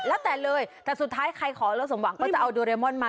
แล้วแต่เลยแต่สุดท้ายใครขอแล้วสมหวังก็จะเอาโดเรมอนมา